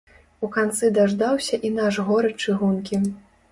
У канцы даждаўся і наш горад чыгункі.